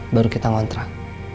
baru kita ngontrak